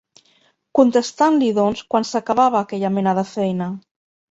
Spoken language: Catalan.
Contestant-li doncs quan s'acabava aquella mena de feina